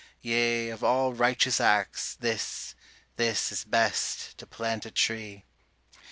Yea, of all righteous acts, this, this is best, To plant a tree.